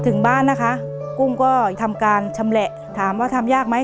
เปลี่ยนเพลงเพลงเก่งของคุณและข้ามผิดได้๑คำ